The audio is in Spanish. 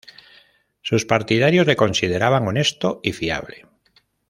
Sus partidarios le consideraban honesto y fiable.